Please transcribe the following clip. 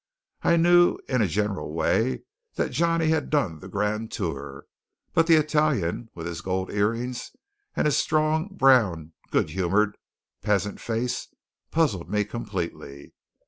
I knew, in a general way, that Johnny had done the grand tour; but the Italian with his gold earrings and his strong, brown, good humoured peasant face puzzled me completely.